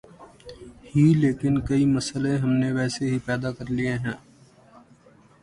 ہی لیکن کئی مسئلے ہم نے ویسے ہی پیدا کر لئے ہیں۔